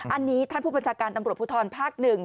อันนี้ท่านผู้บัญชาการตำรวจภูทรภาค๑